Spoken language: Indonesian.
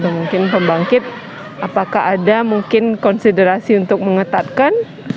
mungkin pembangkit apakah ada mungkin konsiderasi untuk mengetatkan